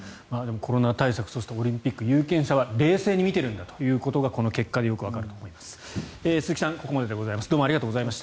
コロナ対策、オリンピック有権者は冷静に見ているんだということがこの結果でよくわかると思います。